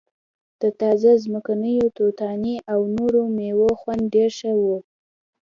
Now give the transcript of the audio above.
د تازه ځمکنیو توتانو او نورو میوو خوند ډیر ښه وي